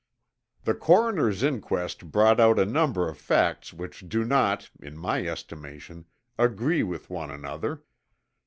"The coroner's inquest brought out a number of facts which do not, in my estimation, agree with one another.